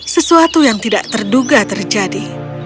sesuatu yang tidak terduga terjadi